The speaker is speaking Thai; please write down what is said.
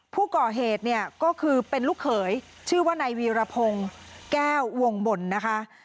ผู้ก่อเหตุเนี่ยก็คือเป็นลูกเขยชื่อว่านายวีรพงศ์แก้ววงบนนะคะ